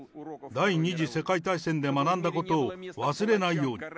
第２次世界大戦で学んだことを忘れないように。